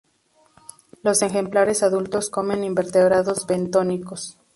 Los ejemplares adultos comen invertebrados bentónicos.